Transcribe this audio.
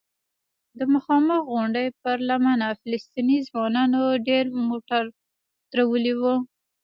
د مخامخ غونډۍ پر لمنه فلسطینی ځوانانو ډېر موټر درولي وو.